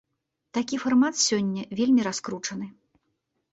Такі фармат сёння вельмі раскручаны.